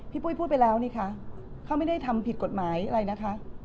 ปุ้ยพูดไปแล้วนี่คะเขาไม่ได้ทำผิดกฎหมายอะไรนะคะ